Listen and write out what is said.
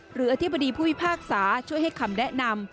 อธิบดีผู้พิพากษาช่วยให้คำแนะนำ